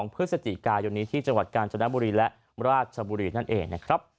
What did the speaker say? พฤศจิกายนนี้ที่จังหวัดกาญจนบุรีและราชบุรีนั่นเองนะครับ